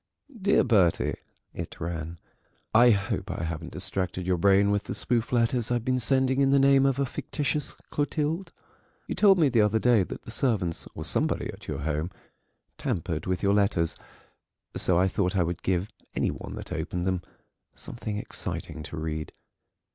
"DEAR BERTIE," it ran; "I hope I haven't distracted your brain with the spoof letters I've been sending in the name of a fictitious Clotilde. You told me the other day that the servants, or somebody at your home, tampered with your letters, so I thought I would give any one that opened them something exciting to read.